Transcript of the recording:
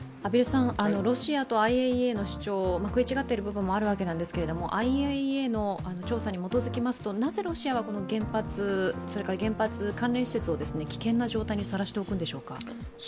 ロシアとＩＡＥＡの主張食い違っている部分もあるわけですけれども、ＩＡＥＡの調査に基づきますとなぜろしあは原発、原発関連施設を危険な状況にさらしておくんでしょうか。